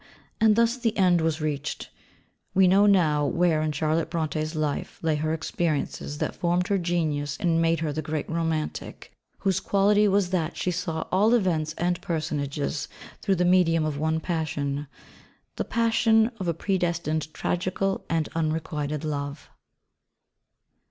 And thus the end was reached. We now know where in Charlotte Brontë's life lay her experiences that formed her genius and made her the great Romantic whose quality was that she saw all events and personages through the medium of one passion the passion of a predestined tragical and unrequited love.